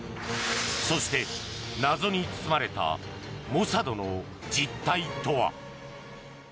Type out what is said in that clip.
そして、謎に包まれたモサドの実態とは。